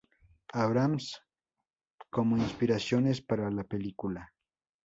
Abrams como inspiraciones para la película.